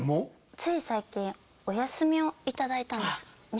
つい最近お休みをいただいたんです２